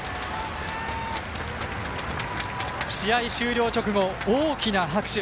試合終了直後、大きな拍手。